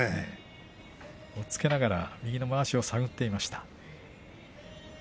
押っつけながら右のまわしを探っていました。